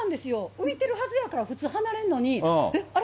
浮いてるはずやから、普通、離れるのに、あれ？